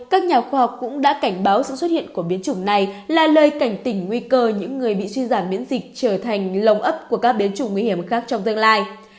các nhà khoa học cũng đã cảnh báo sự xuất hiện của biến chủng này là lời cảnh tỉnh nguy cơ những người bị suy giảm biến dịch trở thành lồng ấp của các biến chủng nguy hiểm khác trong tương lai